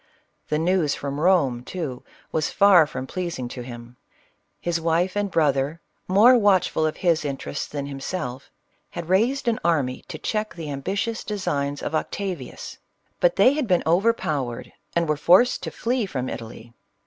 The news from Eome, too, was far from pleas ing to him ; his wife and brother, more watchful of his interests than himself, had raised an army to check the ambitious designs of Octavius ; but they had been overpowered, and were forced to flee from Italy.